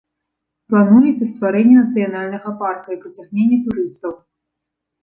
Плануецца стварэнне нацыянальнага парка і прыцягненне турыстаў.